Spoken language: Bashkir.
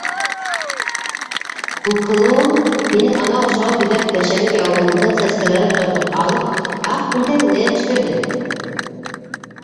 Күкһылыуың һинең анау шау биҙәк кешәмир яулығыңдың сәскәләрен ҡырҡып алып, аҡ күлдәгенә йәбештерҙе!